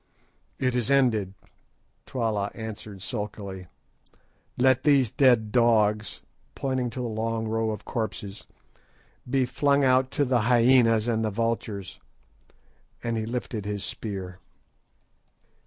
"It is ended," Twala answered sulkily. "Let these dead dogs," pointing to the long rows of corpses, "be flung out to the hyænas and the vultures," and he lifted his spear.